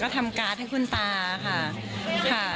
ก็ทำการณ์ได้คุณตาอ่ะค่ะ